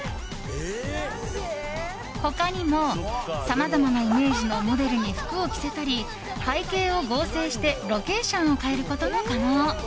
他にも、さまざまなイメージのモデルに服を着せたり背景を合成してロケーションを変えることも可能。